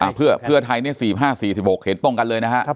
เพื่อเพื่อไทยเนี่ย๔๕๔๖เห็นตรงกันเลยนะครับ